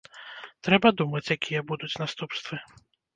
Трэба думаць, якія будуць наступствы.